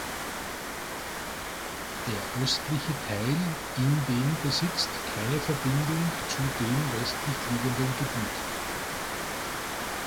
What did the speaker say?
Der östliche Teil in den besitzt keine Verbindung zu dem westlich liegenden Gebiet.